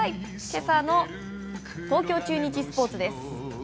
今朝の東京中日スポーツ。